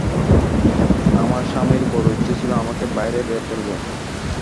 আমার স্বামীর বড়ো ইচ্ছা ছিল আমাকে বাইরে বের করবেন।